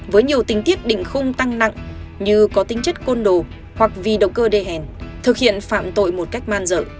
với nhiều tính tiết đỉnh không tăng nặng như có tính chất côn đồ hoặc vì động cơ đề hèn thực hiện phạm tội một cách man rợ